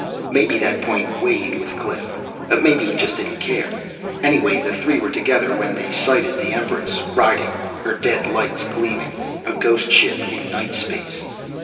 Maybe that point weighed with Cliff, maybe he just didn't care. Anyway the three were together when they sighted the Empress riding, her dead lights gleaming, a ghost ship in night space.